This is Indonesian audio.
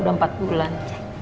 udah empat bulan